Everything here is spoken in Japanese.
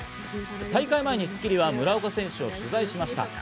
大会前に『スッキリ』は村岡選手を取材しました。